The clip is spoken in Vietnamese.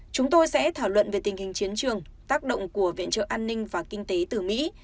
chúng tôi sẽ thảo luận về tình hình chiến trường tác động của viện trợ an ninh và kinh tế từ mỹ